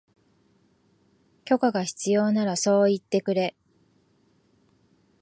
許可が必要ならそう言ってくれ